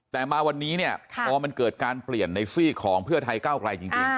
แต่มาวันนี้เนี่ยพอมันเกิดการเปลี่ยนในซีกของเพื่อไทยก้าวไกลจริง